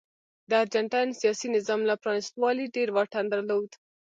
د ارجنټاین سیاسي نظام له پرانیستوالي ډېر واټن درلود.